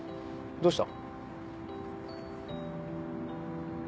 どうした？